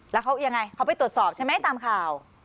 แล้วเขายังไงเขาไปตรวจสอบใช่ไหมตามข่าว